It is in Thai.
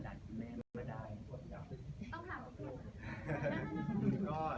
เราก็กลับมาไปทำงานด้วยกันกับแม่เหมือนเดิมค่ะ